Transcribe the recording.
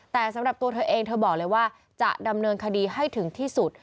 แต่สำหรับตัวเธอเองเธอบอกเลยว่าจะดำเนินคดีให้ถึงที่สุด